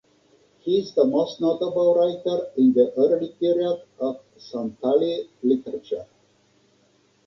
He is the most notable writer in the early period of Santhali literature.